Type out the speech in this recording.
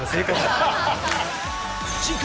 次回！